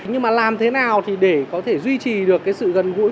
nhưng mà làm thế nào thì để có thể duy trì được cái sự gần gũi